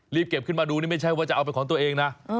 เก็บขึ้นมาดูนี่ไม่ใช่ว่าจะเอาเป็นของตัวเองนะ